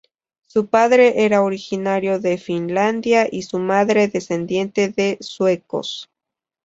Su padre era originario de Finlandia y su madre descendiente de suecos.